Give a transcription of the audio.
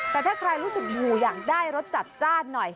แต่ถ้าใครรู้สึกหูอยากได้รสจัดจ้านหน่อย